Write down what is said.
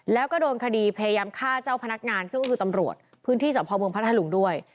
แล้วก็โดนคดีพยายามฆ่าเจ้าพนักงานซึ่งก็คือตำรวจพื้นที่สะพอเมืองพัทธลุงด้วย